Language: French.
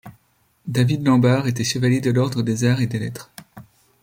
David Lan-Bar était chevalier de l'ordre des Arts et des Lettres.